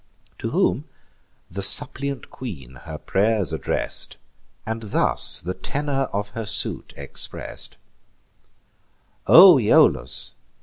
To whom the suppliant queen her pray'rs address'd, And thus the tenor of her suit express'd: "O Aeolus!